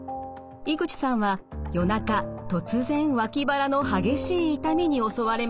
井口さんは夜中突然脇腹の激しい痛みに襲われました。